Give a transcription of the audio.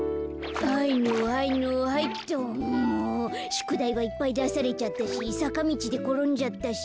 しゅくだいはいっぱいだされちゃったしさかみちでころんじゃったし。